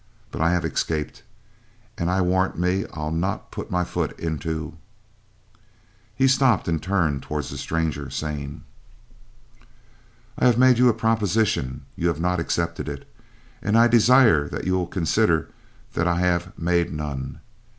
but I have escaped, and I warrant me I'll not put my foot into " He stopped and turned toward the stranger; saying: "I have made you a proposition, you have not accepted it, and I desire that you will consider that I have made none.